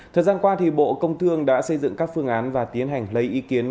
thời gian qua bộ công thương đã xây dựng các phương án và tiến hành lấy ý kiến